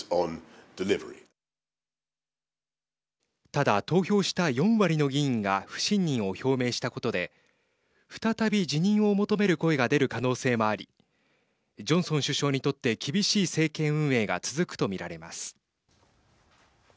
ただ、投票した４割の議員が不信任を表明したことで再び辞任を求める声が出る可能性もありジョンソン首相にとって厳しい政権運営が続くとみられます。